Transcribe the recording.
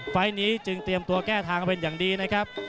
ไฟล์นี้จึงเตรียมตัวแก้ทางกันเป็นอย่างดีนะครับ